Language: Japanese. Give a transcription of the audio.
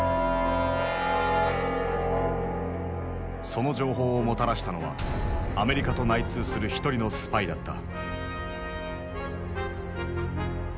その情報をもたらしたのはアメリカと内通する一人のスパイだった。